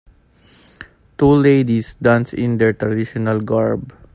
Two ladies dance in their traditional garb.